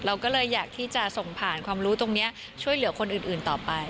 เราก็เลยอยากที่จะส่งผ่านความรู้ตรงนี้ช่วยเหลือคนอื่นต่อไป